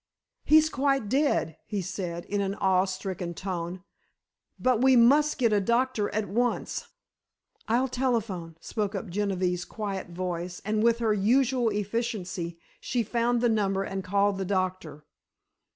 "He's quite dead," he said, in an awe stricken tone. "But, we must get a doctor at once!" "I'll telephone," spoke up Genevieve's quiet voice, and with her usual efficiency, she found the number and called the doctor.